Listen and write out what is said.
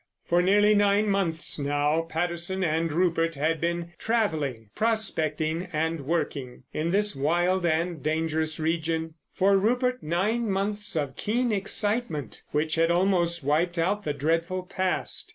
For nearly nine months now Patterson and Rupert had been travelling—prospecting and working—in this wild and dangerous region. For Rupert, nine months of keen excitement, which had almost wiped out the dreadful past.